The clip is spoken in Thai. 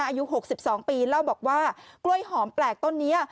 อายุ๖๒ปีเล่าบอกว่ากล้วยหอมแปลกต้นนี้